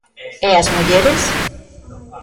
E as mulleres?